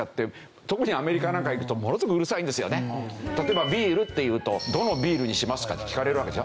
例えば「ビール」って言うと「どのビールにしますか？」って聞かれるわけでしょ？